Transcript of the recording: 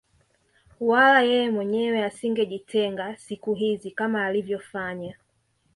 Wala yeye mwenyewe asingejitenga siku hizi kama alivyofanya